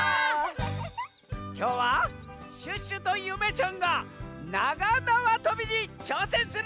きょうはシュッシュとゆめちゃんがながなわとびにちょうせんするざんす！